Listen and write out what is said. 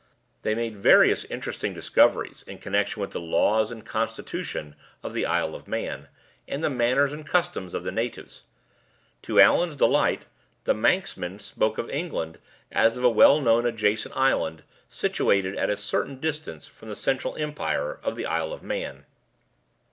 They made various interesting discoveries in connection with the laws and constitution of the Isle of Man, and the manners and customs of the natives. To Allan's delight, the Manxmen spoke of England as of a well known adjacent island, situated at a certain distance from the central empire of the Isle of Man.